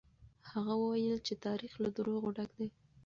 هغه وويل چې تاريخ له دروغو ډک دی.